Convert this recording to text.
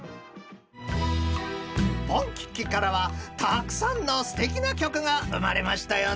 ［『ポンキッキ』からはたくさんのすてきな曲が生まれましたよね］